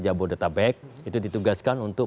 jabodetabek itu ditugaskan untuk